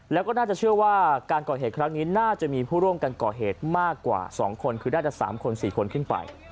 แล้วก็น่าจะเชื่อว่าการก่อเหตุครั้งนี้น่าจะมีผู้ร่วมกันก่อเหตุมากกว่า๒คนคือน่าจะ๓คน๔คนขึ้นไป